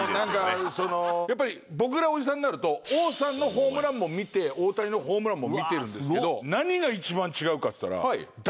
やっぱり僕らおじさんになると王さんのホームランも見て大谷のホームランも見てるんですけど何が一番違うかっつったら。